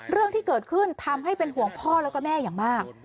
เรื่องที่เกิดขึ้นทำให้เป็นห่วงพ่อแล้วก็แม่อย่างมาก